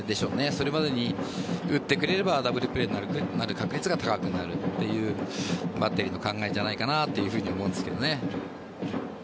それまでに打ってくれればダブルプレーになる確率が高くなるというバッテリーの考えじゃないかなと右へ！